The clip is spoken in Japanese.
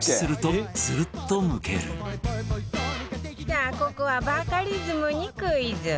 さあここはバカリズムにクイズ